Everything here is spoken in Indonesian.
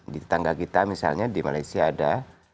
di tangga kita misalnya di malaysia ada lima